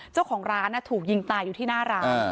เจ้าของร้านถูกยิงตายอยู่ที่หน้าร้าน